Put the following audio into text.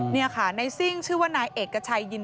เนี่ยค่ะไนซิ่งชื่อว่านายเอกกับชายยิง